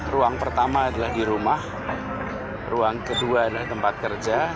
ruang pertama adalah di rumah ruang kedua adalah tempat kerja